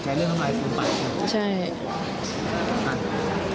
ใช่